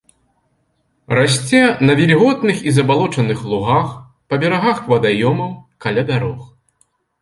Расце на вільготных і забалочаных лугах, па берагах вадаёмаў, каля дарог.